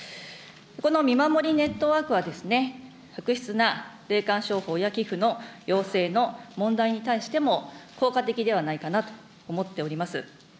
この見守りネットワークは、悪質な霊感商法や寄付の要請の問題に対しても、効果的ではないかなと思っております。